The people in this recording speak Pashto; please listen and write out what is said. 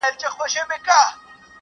o چي تپش یې بس پر خپله دایره وي,